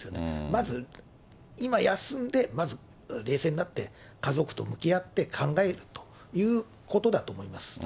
まず、今休んで、まず冷静になって、家族と向き合って考えるということだと思います。